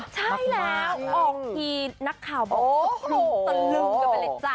ใช่แล้วออกทีนักข่าวบอกตะลึงกันไปเลยจ้ะ